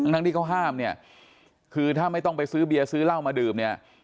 ทั้งที่เขาห้ามเนี่ยคือถ้าไม่ต้องไปซื้อเบียร์ซื้อเหล้ามาดื่มเนี่ย